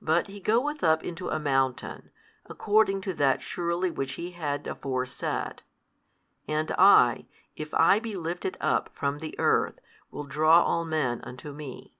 But He goeth up into a mountain, according to that surely which He had afore said, And I, if I be lifted up from the earth, will draw all men unto Me.